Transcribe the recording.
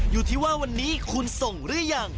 อยู่ที่ว่าวันนี้คุณส่งหรือยัง